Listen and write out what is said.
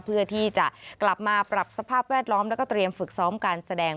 เพื่อที่จะกลับมาปรับสภาพแวดล้อมแล้วก็เตรียมฝึกซ้อมการแสดง